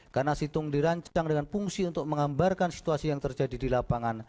karena situng dirancang dengan fungsi untuk mengambarkan situasi yang terjadi di lapangan